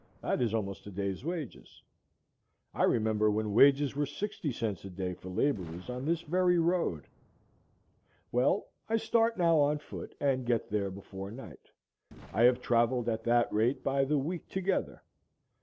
That is almost a day's wages. I remember when wages were sixty cents a day for laborers on this very road. Well, I start now on foot, and get there before night; I have travelled at that rate by the week together.